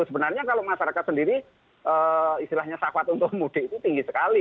sebenarnya kalau masyarakat sendiri istilahnya safat untuk mudik itu tinggi sekali